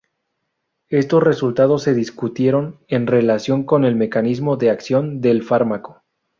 Estos resultados se discutieron en relación con el mecanismo de acción del fármaco.